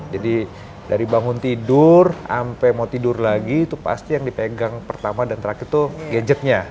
jadi dari bangun tidur sampai mau tidur lagi itu pasti yang dipegang pertama dan terakhir itu gadgetnya